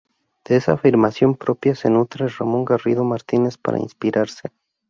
De esa afirmación propia se nutre Ramón Garrido Martínez para inspirarse.